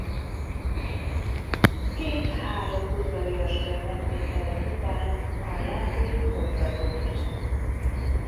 Két-három udvarias kör megtétele után a játék folytatódik.